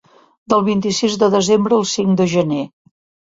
Del vint-i-sis de desembre al cinc de gener.